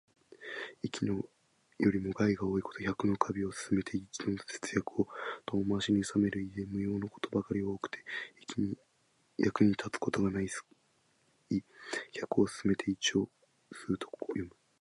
益よりも害の多いこと。百の華美を勧めて一の節約を遠回しにいさめる意で、無用のことばかり多くて、役に立つことが少ない意。「百を勧めて一を諷す」とも読む。